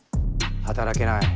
働けない